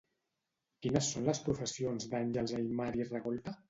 Quines són les professions d'Àngels Aymar i Ragolta?